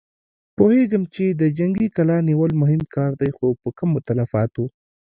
پوهېږم چې د جنګي کلا نيول مهم کار دی، خو په کمو تلفاتو.